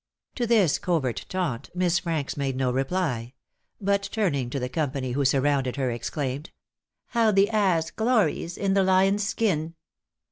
To this covert taunt Miss Franks made no reply: but turning to the company who surrounded her, exclaimed "How the ass glories in the lion's skin!"